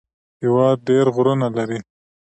هېواد ډېر غرونه لري